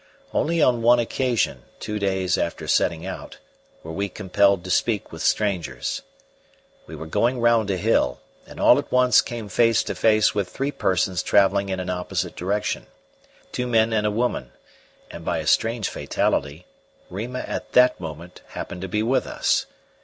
Only on one occasion, two days after setting out, were we compelled to speak with strangers. We were going round a hill, and all at once came face to face with three persons travelling in an opposite direction two men and a woman, and, by a strange fatality, Rima at that moment happened to be with us.